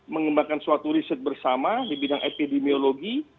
mengembangkan suatu riset bersama di bidang epidemiologi